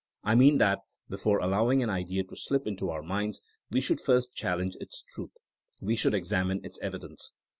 I mean that before allowing an idea to slip into our minds we should first challenge its truth; we should examine its evidence.